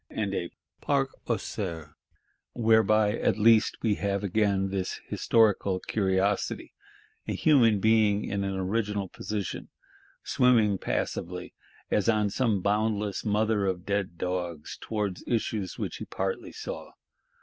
and a Parc aux cerfs. Whereby at least we have again this historical curiosity: a human being in an original position; swimming passively, as on some boundless "Mother of Dead Dogs," towards issues which he partly saw.